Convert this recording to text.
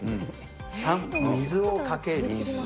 ３、水をかける。